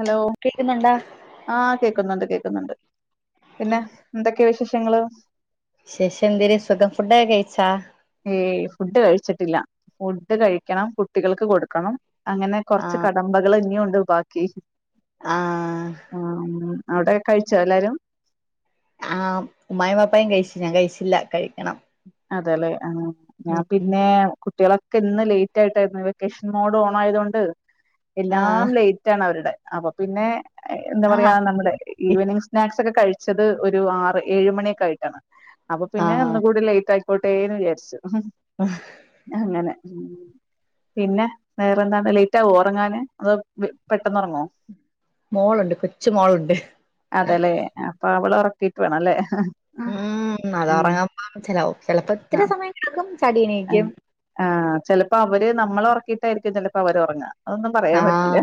Hello കേക്കുന്നുണ്ടാ? ആഹ് കേക്കുന്നുണ്ട് കേക്കുന്നുണ്ട് പിന്നെ എന്തൊക്കെയാ വിശേഷങ്ങള്? വിശേഷം എന്തര് സുഖം ഫുഡോക്കെ കഴിച്ചാ? ഏയ് ഫുഡ് കഴിച്ചിട്ടില്ല ഫുഡ് കഴിക്കണം കുട്ടികൾക്ക് കൊടുക്കണം. അങ്ങനെ കുറച്ച് ആഹ് കടമ്പകൾ ഇനിയും ഉ ണ്ട് ബാക്കി ആഹ് ഉം. അവിടെ കഴിച്ചോ എല്ലാരും? ആഹ് ഉമ്മായും വാപ്പായും കഴിച്ചു ഞാൻ കഴിച്ചില്ല കഴിക്കണം. അതെല്ലെ ആഹ്. ഞാൻ ഉം പിന്നെ കുട്ടികളൊ ഇന്ന് ലേറ്റ് ആയിട്ടായിരുന്നു വെക്കേഷൻ മോഡ് ഓൺ ആയതൊണ്ട് എല്ലാം ആഹ് ലേറ്റ് ആണ് അവരുടെ. അപ്പൊ പിന്നെ എന്ത ആഹ് പറയാ നമ്മുടെ ഈവനിംഗ് സ്നാക്സ് ഒക്കെ കഴിച്ചത് ഒരു ആറ് ഏഴ മണിയക്കെ ആയിട്ടാണ് അപ്പൊ പിന്നെ ആഹ് ഒന്ന് കൂടി ലേ റ്റായിക്കോട്ടെ എന്ന് വിചാരിച്ചു അങ്ങനെ പിന്നെ വേറെ എന്താ ലേറ്റാക്കുവോ ഉറങ്ങാന് അതൊ പെട്ടെന്ന് ഉറങ്ങോ? മോളുണ്ട് കൊച്ച് മോളുണ്ട് ക്കിട്ട് വേണം അല്ലേ ഉം അതൊറങ്ങുമ്പോ ഹലോ ചിലപ്പോ ആ ഇത്തിര സമയം കെടക്കും ആ ആഹ് ചിലപ്പോ അവര് നമ്മൾ ഉറക്കി ട്ടായിരിക്കും ചെലപ്പോ അവർ ഉറങ്ങാ അതൊന്നും പറയാൻ പറ്റില്ല ആഹ്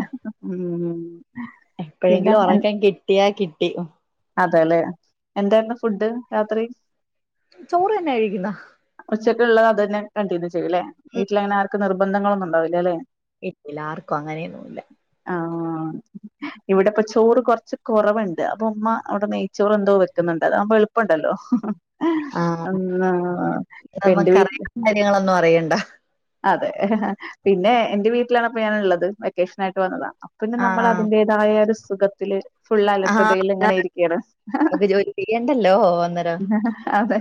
ഉം പിന്നെ എപ്പോഴെങ്കിലും ഉറക്കം കിട്ടിയാ കിട്ടി അതെല്ലെ എന്തായിരുന്നു ഫുഡ് രാത്രി? ചോറ് തന്നെ കഴിക്കുന്ന ള്ളത് അത് തന്നെ കണ്ടിന്യു [unintelligible] വീട്ടിലങ്ങനെ ആർക്കും നിർ ബന്ധങ്ങളന്നുംണ്ടാവില്ല അല്ലെ ഇല്ലില്ല ആർക്കും അങ്ങനെയൊന്നുംല്ല ആ ഇവിടെപ്പൊ ചോറ് കൊറച്ച് കുറവുണ്ട് അപ്പൊ ഉമ്മ അവിടെ നെയ്ച്ചോറ് എന്തോ വെക്കുന്നുണ്ട് അതാവുമ്പോ എളുപ്പുണ്ടല്ലോ ഉം ഇപ്പൊ എന്റെ വീ നമക്കറിയുന്ന കാര്യങ്ങളൊന്നും അറിയണ്ട അതെ പിന്നെ എന്റെ വീട്ടിലാണിപ്പൊ ഞാൻള്ളത് വെക്കേഷൻ ആയിട്ട് വന്നതാ അപ്പപിന്നെ നമ്മൾ ആഹ് അതിന്റേതായ ഒരു സുഖത്തില് ഫുള് ആഹ് അലസതയിൽ ഇങ്ങനെ ആഹ് ഇരിക്കാണ് നമുക്ക് ജോലി ചെയ്യണ്ടല്ലോ അന്നേരം അതെ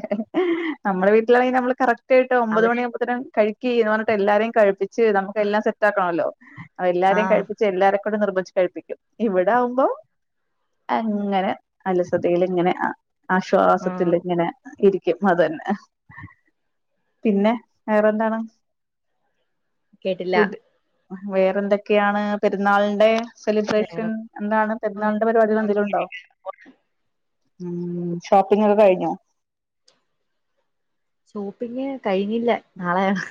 നമ്മുടെ വീട്ടിലാണെങ്കിൽ ന മ്മള് കറക് ട്ട് ഒമ്പത് അവിടെ മണിയാകുമ്പത്തീനും കഴി കീണോന്ന് പറഞ്ഞിട്ട് എല്ലാരെയും കഴിപ്പി ശരി നമുക്ക് എല്ലാം സെറ്റ് ആക്കണല്ലോ അ എല്ലാരേം ആഹ് കഴിപ്പിച്ച് എല്ലാരേം നിർബന്ധിച്ച് കഴിപ്പിക്കും ഇവിടെ ആകുമ്പോ അങ്ങനെ അലസതയിലങ്ങനെ ആഹ് ആശ്വാസത്തിൽ ഇങ്ങനെ ഇരി ക്കും അത് തന്നെ പിന്നെ വേറെന്താണ് കേട്ടില്ല ഫുഡ് വേറെന്തൊക്കെയാണ് പെരുന്നാളിന്റെ സെലിബ്രേഷൻ വേറെ എന്താണ് പെര്നാളിന്റെ പരുപാടികൾ എന്തേലും ഉണ്ടോ ഉ ഷോപ്പിംഗ് ഒക്കെ കഴിഞ്ഞോ ഷോപ്പിംഗ് കഴിഞ്ഞില്ല നാളെയാണ്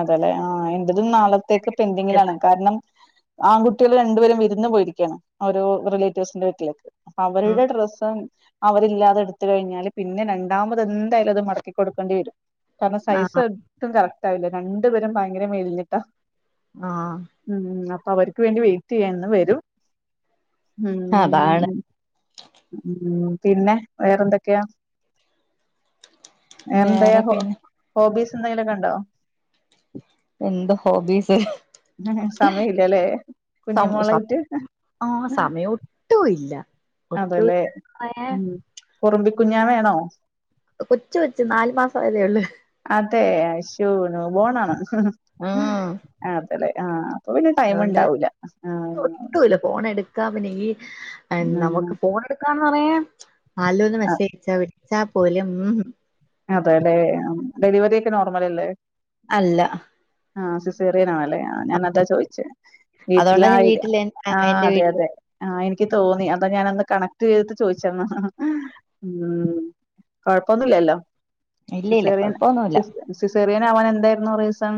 അതെലേ ആ എന്റതും നാളെ ക്ക് പെൻഡിങ്ങിലാണ് കാരണം ആൺകുട്ടികൾ രണ്ടുപേരും വിരുന്ന് പോയിരിക്കയാണ് ഓരോ റിലേറ്റീവ്സിന്റെ വീട്ടിലേക്ക് ഉം അവരുടെ ഡ്രസ്സും അവരില്ലാതെ എടുത്ത കഴിഞ്ഞാല് പിന്നെ രണ്ടാമത് എന്തായാലും അത് മടക്കി കൊടുക്കേണ്ടി വരും കാരണം സൈസ് ആഹ് എത്തും കറ ല്റ്റാവില്ല രണ്ടുപേരും ഭയങ്കര മേലഞ്ഞിട്ടാ ആഹ് അവർക്ക് വേണ്ടി വെയിറ്റ് ചെയ്യാന്ന് വരും അതാണ് ഉം ഉം പിന്നെ വേറെന്തൊക്കെയാ എന്തെയാ വേറെ ഹോ പിന്നെ ഹോബീസ് എന്തെങ്കിലൊക്കെണ്ടോ എന്ത് ഹോബീസ് ഉം സമയ ഇല്ലല്ലേ കുഞ്ഞി സമ സ മോളായിട്ട് ആഹ് സമയം ഒട്ടും ഇല്ല അതല്ലേ [unintelligible] ഏഹ് കുറുമ്പി കുഞ്ഞാവയാണോ കൊച്ചു കൊച്ച് നാലു മാസം ആയതേ ഉള്ളു അതെ അശൂ ന്യൂബോണാണോ ആഹ് ആ ല്ലെ ആ അതുകൊണ്ട് ഒട്ടുമല്ല ഫോണ് എടുക്കാ പിന്നെങ്കി ഉം നമുക്ക് ഫോണെടുക്കാൻ പറയെ ആലോ ഒന്ന് മെസ്സേ്ച്ചാ വി ചാ പോലും ഊഹ് അതെ ലേ ഡെലിവറി ഒക്കെ നോർമൽ അല്ലേ അല്ല ആഹ് സിസേറിയനാണല്ലേ ഞാനതാ ചോയ്ച്ചേ അതുകൊണ്ടാ ഞാൻ വീട്ടിലായില്ല്യ വീട്ടില് ആഹ് എന്റെ അതെ വീട്ടില് അതെ ആ എനി ക്ക് തോന്നി അതാ ഞാനന്ന് കണക്ട് ചെയ്തിട്ട് ചോദിച്ചന്ന് ഉം കൊഴപ്പൊന്നും ഇല്ലല്ലോ ഇല്ല ഇല്ല സിസേറിയൻ കൊഴപ്പൊന്നുല്ല സിസ് സിസേറിയനാവാനെൻ എന്തായിരുന്നു റീസൺ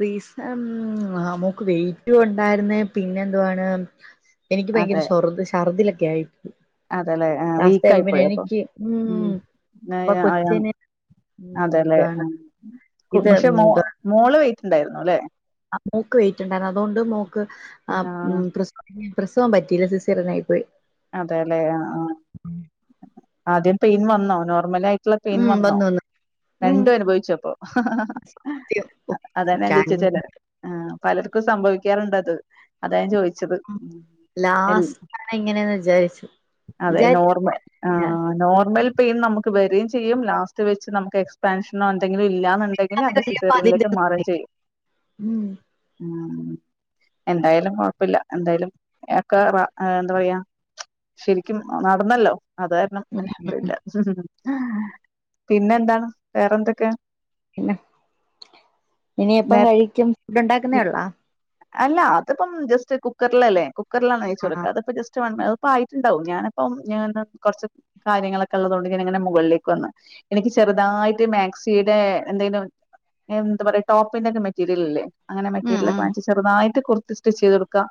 റീസൺ ആ മോൾക്ക് വെയിറ്റും ഉണ്ടായിരുന്നേ പിന്നെന്തുവാണ് എനിക്ക് ഭയങ്കര ഷോർദി ഷർദില ക്ക്യായി അതേലേ ആ വീക്ക് ആയി പോയോ അപ്പൊ ഉം അപ്പൊ കൊച്ചിന് [unintelligible] ഉം അതെല്ലെ ആ എന്താണ് ഇത് പക്ഷെ മോ മോള് വേ റ്റ് ഇണ്ടായിരുന്നു ലേ ആ മോക്ക് വെയ്റ്റ്ണ്ടായിരുന്നു അതുകൊണ്ട് മോക്ക് ആ ഉം പ്രിസ് പ്രസവം പറ്റിയില്ല സിസേറിയൻ ആയി പോയി അതെല്ലേ ആ ആ ആദ്യം പേയിൻ വന്നോ നോർമലായി ട്ടുള്ള പെയിൻ ഉം വന്നോ വന്നു വന്നു ഉം രണ്ടും അനുഭവിച്ചോ അപ്പൊ സത്യം ഉഫ്, അതന്ന ചോദിച്ച ചില രണ്ട് ആ പലർക്കും സംഭവിക്കാറുണ്ട് അത് അതാ ഞാൻ ചോദിച് ഉം ലാസ്റ്റ് ഇങ്ങനെയ അതെ നോർമ ആഹ് നോർ ർമൽ പെയിൻ നമുക്ക് വരും ചെയ്യും ലാസ്റ്റ് വെച്ച് നമുക്ക് എക്സ്പാൻഷന എന്തിലും ഇല്ലാന്നുണ്ടെങ്കിൽ അത് കഴിയുമ്പോ അതിന്റെ സിസേറിയനിലേക്ക് മാറൻ ചെയ്യും ഉം ഉം എന്തായാലും കൊഴപ്പില്ല എന്തായാലും ഏ കുറേ എന്താ പറയാ ശരിക്കും നടന്നല്ലോ അതാ കാരണം ഉം അല്ഹംടുലില്ലാ പിന്നെ എന്താണ് വേറെന്തൊക്കെയ പിന്നെ ഇനി എപ്പം നേ കഴിക്കും ഫുഡ് ഉണ്ടാക്കുന്നേ ഇ- ഉള്ളാ അല്ല അതിപ്പം ജസ്റ്റ് കുക്കറിലല്ലേ കുക്കറിലാണ് അയ് ആ ചോറെക്ക അത് ഇപ്പ ജസ് പന്ന് അതിപ്പോ ആയിട്ടുണ്ടാവും ഞാനപ്പ ഞ കുറച്ച് കാര്യങ്ങളൊക്കെ ഉള്ളത് കൊണ്ട് ഞാന ഇങ്ങനെ മുകളിലേക്ക് വന്ന എനിക്ക് ചെറുതായിട്ട് മാക്സിയുടെ എന്തെലും എന്താ പറയ ടോപ്പിന്റെ മെറ്റീരിയൽ അല്ലേ അങ്ങനെ ഉം മെറ്റീരിയൽ ഒക്കെ ഉം വാങ്ങിച്ച് ചെറുതായിട്ട് കുർ സ്റ്റിച്ച് ചെയ്ത് കൊടുക്കാം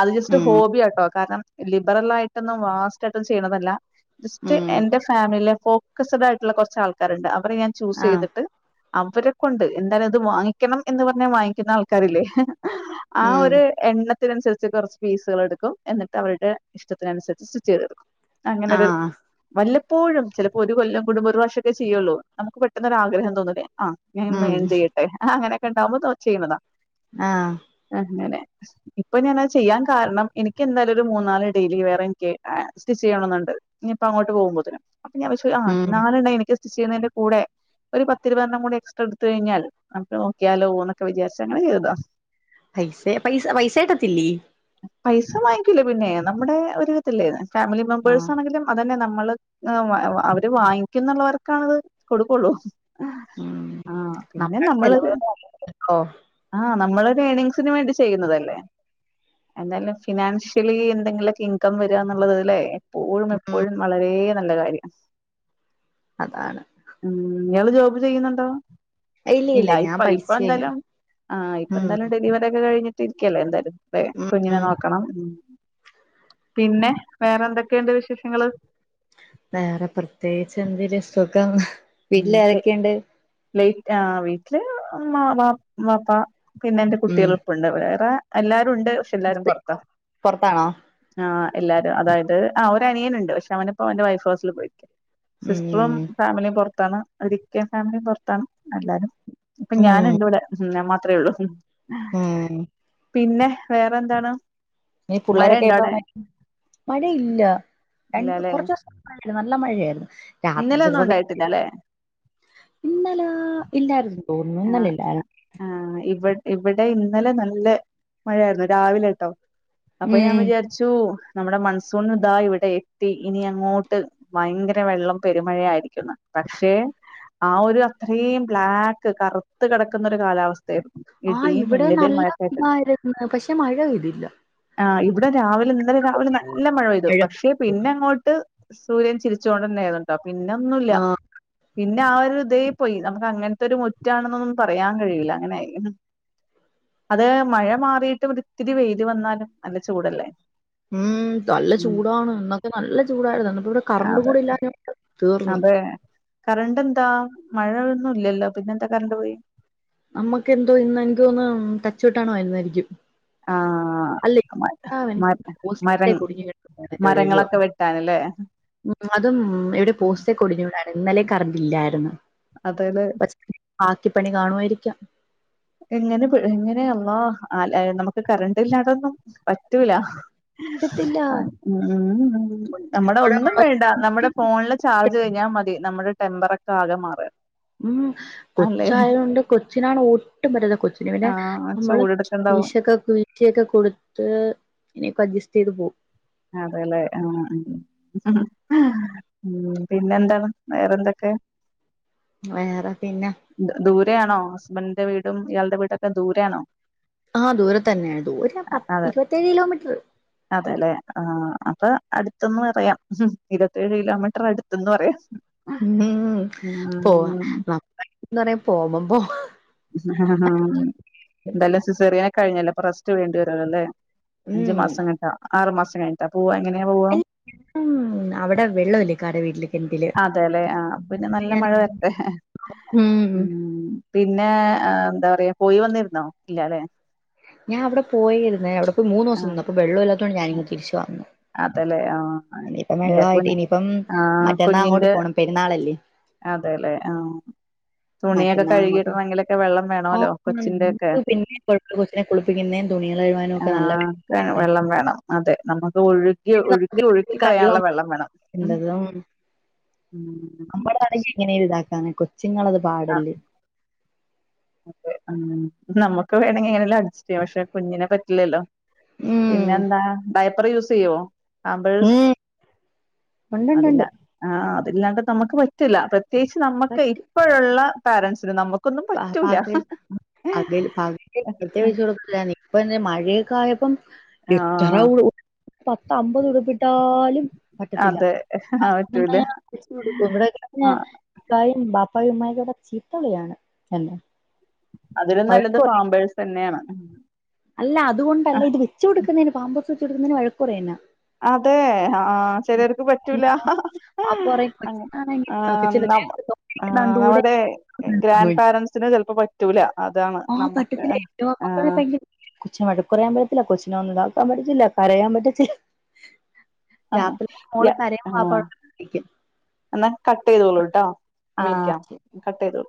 അത് ജസ്റ്റ് ഉം ഹോബിയാട്ടോ കാരണം ലിബറൽ ആയിട്ടൊന്നും വാസ്റ്റ് ആയിട്ടും ചെയ്യണതല്ല ജസ്റ്റ് ഉം എന്റെ ഫാമിലി- ഫോക്കസ്ഡ് ആയിട്ടുള്ള കൊറച്ച് ആൾക്കാരുണ്ട് അവ അവരെ ഞാൻ ചൂസ് ആഹ് ചെയ്തിട്ട്- അവരെക്കൊണ്ട് എന്തായലും അത് വാങ്ങിക്കണം എന്ന് പറഞ്ഞാ വാങ്ങിക്കുന്ന ആൾക്കാരില്ലേ ആ ഉം ഒരു എണ്ണ അതിനനുസരിച്ച് കുറച്ച് ഫീസുകൾ എടുക്കും എന്നിട്ട് അവരുടെ ഇഷ്ടത്തിനുസരിച്ച് ചെയ്തെടുക്കും അങ്ങനൊരു ആഹ് വല്ല എപ്പോഴും ചിലപ്പോ ഒരു കൊല്ലം കൂടുംമ്പം ഒരു പ്രാവശ്യൊക്കെ ചെയ്യുള്ളൂ നമുക്ക് പെട്ടന്നൊരു ആഗ്രഹം തോന്നുല്ലേ ആ ഞാൻ ഉം [unintelligible] ചെയ്യട്ടെ ആ അങ്ങനെ ക്കിണ്ടാവുമ്പോ തോ ചെയ്യുന്നതാ [unintelligible] ആഹ് അങ്ങനെ ഇപ്പൊ ഞാനത് ചെയ്യാൻ കാരണം എനിക്ക് എന്തായാലും- ഇത് മൂന്നാല് ഡെയിലി വെയർ എനിക്കേ സ്റ്റിച്ച് ചെയ്യണോന്നുണ്ട് ഇനിയിപ്പൊ അങ്ങോട്ട് പോകുമ്പഴ്ത്തേന്. എനിക്ക് ആവിശ്യം [unintelligible] ആ ഉം നാലെണ്ണം എനിക്ക് ചെയ്യുന്നതിന്റെ കൂടെ ഒരു പത്തിരുപതെണ്ണം കൂടി എക്സ്ട്രാ എടുത്ത് കഴിഞ്ഞാൽ നമുക്ക് നോക്കിയാലോ എന്നൊക്കെ വിചാരിച്ച് അങ്ങനെ ചെയ്തതാ പൈസ ഇട്ടത്തില്ലീ പൈസ വാങ്ങി - ക്കുലേ [unintelligible] പിന്നെ നമ്മുടെ ഒര് ഇതല്ലേന്ന് ഫാമിലി മെംമ്പേഴ്സ് ആഹ് ആണെങ്കിലും അതല്ലെ നമു നമ്മള് [unintelligible] അവര് വാങ്ങിക്കുന്ന പിള്ളേർക്കാണ് കൊടുക്കുള്ളൂ ഉം ആ പിന്നെ നമ്മടെ നമ്മള്ക് ചെലവുകളോ ആഹ് നമ്മള് ഏണിഗ്സിനു വേണ്ടി ചെയ്യുന്നതല്ലേ എന്നാലും ഫിനാൻഷലി - [unintelligible] എന്തെങ്കിലൊക്കെ ഇൻകം വരുകാന്നുള്ളത് അല്ലേ ഇപ്പോഴും ഉം എപ്പൊഴും വളരെ നല്ല കാര്യാമ അതാണ് നിങ്ങള് ജോബ് ചെയ്യുന്നുണ്ടോ ഇല്ല ഞാൻ ഇപ്പ പഠിച്ചു കഴിഞ്ഞു എന്തായാലും ഉം ഡെലിവറി ഒക്കെ കഴിഞ്ഞ് ഇരിക്കല്ലേ എന്തായാലും അതെ ഉം കുഞ്ഞിനെ ഉം നോക്കണം പിന്നെ വേറെ എന്തൊക്കെയുണ്ട് വിശേഷങ്ങള് വേറെ പ്രത്യേകിച്ച് എന്ത്ര്സുഖം വീട്ടിൽ ഏതൊക്കെയുണ്ട് ലൈറ്റ് ആ വീട്ടില് ഉമ്മാ വാപ് വാപ്പാ പിന്നെ എന്റെ ഉം കുട്ടികളും ഇപ്പം ഉണ്ട് വേറെ അല്ലാതെ ഉണ്ട് പക്ഷെ എല്ലാരും പൊറത്ത പൊറത്താണോ ആമ എല്ലാരും അതായത് ആ ഒരു അനിയനുണ്ട് പക്ഷെ അവനിപ്പോ അവന്റെ വൈഫ് ഹൗസിൽ പോയിരിക്ക സിസ്റ്ററും ഉം ഫാമിലിയും പുറത്ത് ത്താണ് അത് വിറ്റ ഫാമിലിയും പൊറത്താണ് എല്ലാരും ഇപ്പൊ ഞാന ഇണ്ട് ഇടെ നമ്മ അത്രേ ഉള്ളൂ ആം പിന്നെ വേറെ എന്താണ് ഇ പിള്ളേരൊക്കെ മഴയുണ്ടോ ഇപ്പ അവിടെ മഴയില്ല രണ്ട ഇല്ലല്ലെ കുറച്ച ദിവസ നല്ല മഴയായിരുന്നു രാത്രി ഇന്നലെ ഒന്നും ചെലപ്പോ മിക്ക് ഉണ്ടായിട്ടില്ലല്ലെ ഇന്നല ഇല്ലായിരുന്നു ഓ ആ ഇന്നലെഇല്ലാരുന്നു ആ ഇവി ഇവിടെ ഇന്നലെ നല്ല മഴായിരുന്നു രാവിലെ അപ്പ ഞാൻ ഉം വിചാരിച്ചു നമ്മുടെ മൺസൂണ ഇതാ ഇവിടെ എത്തി ഇനി അങ്ങോട്ട് ഭയങ്കര വെള്ളം പെരുമഴയ ആയിരിക്കുന്നു പക്ഷെ ആ ഒരു അത്രയും ബ്ലാക്ക് ക്ക് കറുത്ത് കിടക്കുന്നൊരു കാലാവസ്ഥയാരുന്നു ആ ഇവിടെ നല്ല ന്നായിരുന്നു പക്ഷെ മഴ പെയ്തില്ല ആഹ് ഇവിടെ രാവിലെ ഇന്നലെ രാവിലെ നല്ല മഴ പെയ്തു പക്ഷേ പിന്നെ അങ്ങോട്ട് സൂര്യൻ ചിരിച്ചുകൊണ്ട് തന്നെയാ രുന്നോ പിന്ന ഒന്നുല്ലാ ആഹ് പിന്നെ ആ ഒരു ഇതേ പോയി നമുക്ക് അങ്ങനെ തൊരു മുറ്റാണെന്നൊന്നും പറയാൻ കഴിയില്ല അങ്ങനൊയി അത് മഴ മാറിയിട്ട് ഇവിടെ ത്തിരി വെയില് വന്നാലും നല്ല ചൂടല്ലേ മ് നല്ല ഉം ചൂടാണ് ഇന്നൊക്കെ നല്ല ചൂടായിരുന്നു ന്ന് പ്പം ഇവിടെ കറണ്ട് അതെ കൂടി ഇല്ല അതെ കറണ്ട് എന്താ മഴയൊന്നും ഇല്ലല്ലോ പിന്നെ എന്താ കറണ്ട് പോയി നമ്മക്ക് എന്തോ ഇന്ന് എനിക്ക് തോന്ന് ടച്ച് വെട്ടാണുന്നായിരിക്കും ആഹ് അല്ല മ [unintelligible] മര പോസ്റ്റ്‌ മരങ്ങളൊക്കെ [unintelligible] വെട്ടാനല്ലേ അതും പോസ്റ്റ്‌ ഒക്കെ ഒടിഞ്ഞു വീണാ ഇന്നലേ കറണ്ടില്ലായിരുന്നു അതെല്ലേ ബാക്കിപ്പണി കാണുവാരിക്കാം എങ്ങനെ എങ്ങനെയമ്മ ആ ല്ലേ നമുക്ക് കറണ്ട് ഇല്ലാതൊന്നും പറ്റൂല പറ്റത്തില്ല ഉം ഉം നമ്മടെ ഒന്നും വേണ്ട നമ്മടെ ചൂടുവെള്ളം ഫോണില് ചാർജ് കഴിഞ്ഞാമതി നമ്മടെ ടെമ്പറൊക്കെ ആകെ മാറേ ഉം കൊച്ചായൊണ്ട് കൊച്ചിനാണ് ഊ ട്ടും പറ്റ കൊച്ചിന് ആ പിന്നെ നമ്മള് ചൂടെടുക്കണ്ടാവും വീശിയൊക്കെ കുലുക്കിയൊക്കെ കൊടുത്ത് ഇനി ഇപ്പോ അഡ്ജ ചെയ്ത് പോ അതെല്ലേ ആ മ് മ് പിന്നെ എന്താണ് വേറെന്തൊക്കെ വേറെ പിന്നെ ഹസ്ബൻന്റെ വീടും ഇയാൾടെ വീടൊക്കെ ദൂരയാണോ ആ ദൂരെ തന്നെയാ ദൂര പ അതെ ഇരുപത്തിയേഴ് കിലോമീട്ർ പ്പം അടുത്തന്ന് പറയാം ഇരുപത്തെഴ് കിലോമീറ്റർ അടുത്തന്ന് പറയാം ഉം പോവാ ഉം നമ്മ എന്താ പറയാ പോവമ്പോ ഹും ഹ ഹ എന്താലെ സിസേറിയൻ കഴിഞ്ഞല്ല അപ്പൊ റസ്റ്റ്‌ വേണ്ടി വരോലല്ലേ അഞ്ചു ഉം മാസം കൈയിട്ട ആറു മാസം അത് കയഴിഞ്ട്ടേ പോവാ അങ്ങനെയാ പോവാ എല്ലാം അവിടെ വെള്ളമില്ലേ ഇക്കാടെ വീട്ടില് കിണറ്റില് അതേ ലേ ആ പിന്നെ നല്ല ഞാൻ മഴ വരണ്ടേ ഉം മ് പിൻ പിന്നെ എന്താ പറയാ പോയി വന്നിരുന്നോ ഇല്ല അല്ലെ ഞാൻ അവിടെ പോയിരുന്നെ അവിടെ ഇപ്പം മൂന്നോസം ആഹ് നിന്ന് അപ്പോ വെള്ളൊല്ലാ ഞാനിങ്ങ് തിരിച്ചു വന്നു അതെല്ലേ ആഹ് ഇനിയിപ്പം ഇയാക്ക് വെള്ളവായിട്ട് പിന്നെ ഇനിയിപ്പം ആഹ് മറ്റന്നാ അങ്ങോട്ട് കുഞ്ഞിന്റെ പോണം പെരുന്നാളല്ലേ അതെല്ലേ ആഹ് തുണിയൊക്കെ മറ്റന്നാ അങ്ങോട്ട് കഴുകിയിടണെങ്കിലൊക്കെ വെള്ളം വേണോല്ലോ ആഹ് കൊച്ചിന്റെ ഒക്കെ നമുക്ക് പിന്നെ കൊഴപ്പ കൊച്ചിനെ കുളിപ്പിക്കുന്നേം തുണികൾ കഴുവാനും ആ ഒക്കെ നല്ല വെള്ളം വേണം അതെ നമ ഒഴുകി നമുക്ക് ഒഴുക്കി ഒഴുക്കി കഴിവാൻ കളയാനുള്ള വെള്ളം വേണം പറ്റണ്ടതും പാടല്ല് നമുക്ക് വേണമെങ്കിൽ ഇങ്ങനെലും അഡ്ജസ്റ്റ് ചെയ്യാ പക്ഷെ കുഞ്ഞിനെ പറ്റില്ലല്ലോ ഉം പിന്നെ എന്താ ഡയപ്പർ യൂസ് ചെയ്യോ? പാമ്പേഴ്സ് ഉം അതില്ല ഉണ്ടുണ്ടുണ്ട് ആ അല്ലാണ്ട് നമക്ക് പറ്റില്ല പ്ര ത്യേകിച്ച് നമ്മക്ക് ഇപ്പോഴുള്ള പേരെന്റ്സ്ന് നമ പക പകൽ പാ പകല് [unintelligible] ഇപ്പെഴെന്നെ മഴെക്കായപ്പം ആഹ് ഇത്തറാവുള്ളു പത്ത് അമ്പത് ഉടുപ്പിട്ടാലും പറ്റത്തില്ല അതെ ആ അപ്പൊ പിന്നെ പറ്റൂല തിരിച്ചു കൊടുക്കും ഇവിടെ പിന്നെ ആഹ് ഇക്കായും ബാ ഉപ്പായും ഉമ്മായും ഇവിടെ ചീത്തവിളിയാണ്. എന്നെ അതിലും നല്ലത് പാമ്പേഴ്സ് തന്നെയാണ് അല്ല അതുകൊണ്ടല്ല ഇത് വെച്ചു കൊടുക്കുന്നതിന് പാമ്പേഴ് സ് വച്ചു കൊടുക്കുന്നതിന് വഴക്ക് പറയുവാ എന്നെ. അതേ ആ ആ ചിലർക്ക് പറ്റൂല അപ്പൊ പറയും കൊച്ചിനാണെങ്കിൽ ആഹ് കൊച്ചിന്റെ നമ്മ ദേഹത്ത് തൊപ്പിയിരിക്കുന്ന കണ്ടൂടെ നമ്മടെ ഗ്രാൻഡ് പാരൻസിന് ചിലപ്പോ പറ്റൂ ആ പറ്റത്തില്ലേ ആഹ് [unintelligible] കൊച്ചിനെ വഴക്ക് പറയാൻ പറ്റത്തില്ല കൊച്ചി [unintelligible] പറ്റത്തില്ല കരയാൻ പറ്റത്തില്ല ആ രാത്രി യ മോള് കരയാൻ ആ പാപ്പ അവിടെ നിൽക്കും എന്നാ കട്ട് ചെയ്തോളൂട്ടോ ആ വിളിക്കാം കട്ട് ചെയ്തോളു.